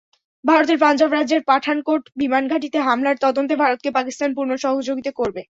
ভারতের পাঞ্জাব রাজ্যের পাঠানকোট বিমানঘাঁটিতে হামলার তদন্তে ভারতকে পাকিস্তান পূর্ণ সহযোগিতা করবে।